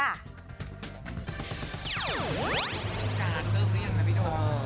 การ์ดเสร็จแล้ว